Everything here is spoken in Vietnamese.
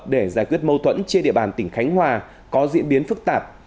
để giải quyết mâu thuẫn trên địa bàn tỉnh khánh hòa có diễn biến phức tạp